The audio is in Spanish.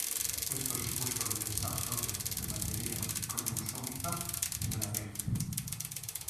Esto supuso el desarrollo de la teoría cromosómica de la herencia.